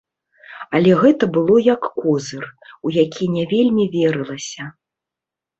Але гэта было як козыр, у які не вельмі верылася.